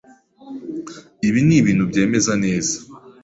Ibi nibintu byemeza neza.